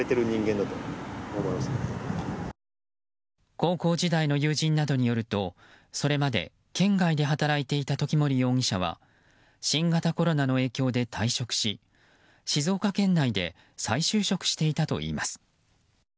高校時代の友人などによるとそれまで県外で働いていた時森容疑者は新型コロナの影響で退職し静岡県内で再就職していたといいます。